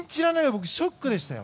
僕、ショックでしたよ。